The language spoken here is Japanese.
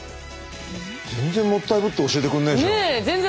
全然もったいぶって教えてくんねえじゃん。